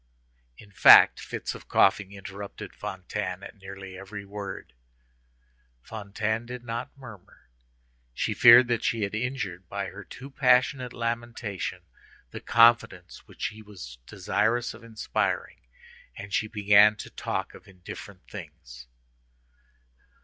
In fact, fits of coughing interrupted Fantine at nearly every word. Fantine did not murmur; she feared that she had injured by her too passionate lamentations the confidence which she was desirous of inspiring, and she began to talk of indifferent things.